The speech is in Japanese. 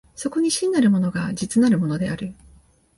そこに真なるものが実なるものである。